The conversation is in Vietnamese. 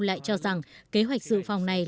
lại cho rằng kế hoạch sự phòng này